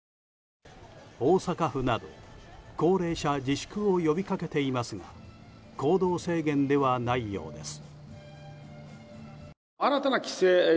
大阪府など、高齢者自粛を呼びかけていますが行動制限ではないようです。